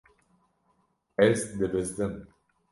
Ez dibizdim.